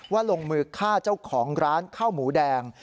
ลงมือฆ่าเจ้าของร้านข้าวหมูแดง